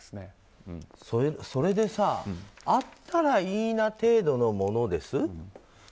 それでさあったらいいな程度のものです？